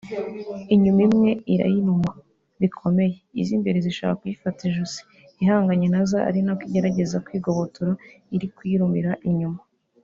inyuma imwe irayiruma bikomeye iz’imbere zishaka kuyifata ijosi ihanganye nazo ari nako igerageza kwigobotora iri kuyirumira inyuma